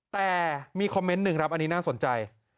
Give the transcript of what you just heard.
แต่มีคอมเมนต์หนึ่งครับอันนี้น่าสนใจ